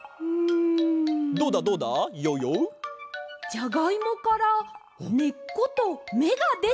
じゃがいもからねっことめがでています。